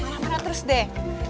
marah marah terus deh